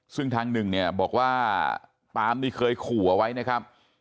ซึ่งทางหนึ่งบอกว่าปาล์มเคยขอว่าไว้นะครับ